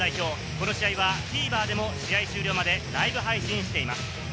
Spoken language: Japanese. この試合はＴＶｅｒでも試合終了までライブ配信しています。